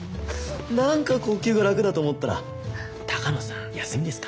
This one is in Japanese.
何か呼吸が楽だと思ったら鷹野さん休みですか？